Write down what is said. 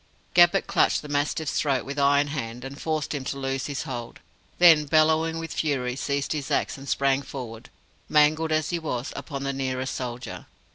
Gabbett clutched the mastiff's throat with iron hand, and forced him to loose his hold; then, bellowing with fury, seized his axe and sprang forward, mangled as he was, upon the nearest soldier.